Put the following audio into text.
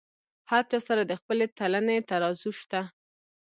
هر چا سره د خپلې تلنې ترازو شته.